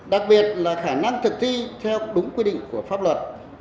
đặc biệt là khả năng thực thi theo đúng quy định của pháp luật